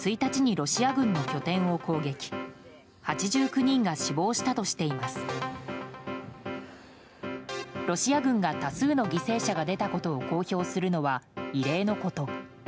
ロシア軍が多数の犠牲者が出たことを公表するのは異例のこと。